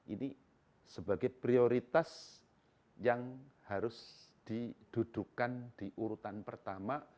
ini sebagai prioritas yang harus didudukan di urutan pertama